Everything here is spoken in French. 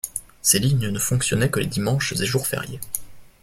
Ces lignes ne fonctionnaient que les dimanches et jours fériés.